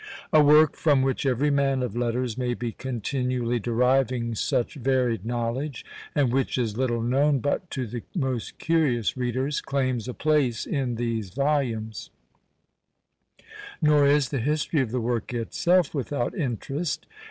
A work from which every man of letters may be continually deriving such varied knowledge, and which is little known but to the most curious readers, claims a place in these volumes; nor is the history of the work itself without interest.